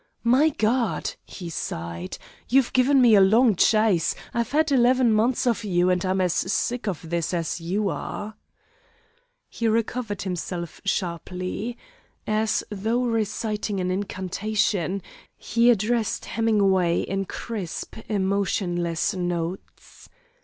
"My God," he sighed, "you've given me a long chase! I've had eleven months of you, and I'm as sick of this as you are." He recovered himself sharply. As though reciting an incantation, he addressed Hemingway in crisp, emotionless notes.